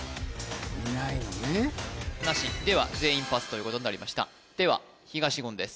いないのねなしでは全員パスということになりましたでは東言です